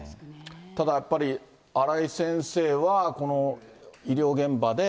ただやっぱり、荒井先生はこの医療現場で。